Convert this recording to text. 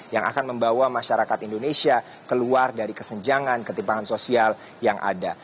yang akan membawa masyarakat indonesia keluar dari kesenjangan ketimpangan sosial yang ada